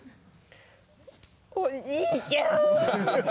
おじいちゃん！